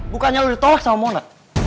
bukannya udah ditolak sama mona